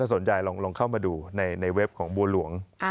สนใจลองเข้ามาดูในเว็บของบัวหลวง